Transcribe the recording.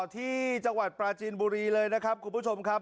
ที่จังหวัดปราจีนบุรีเลยนะครับคุณผู้ชมครับ